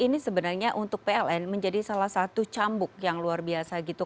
ini sebenarnya untuk pln menjadi salah satu cambuk yang luar biasa gitu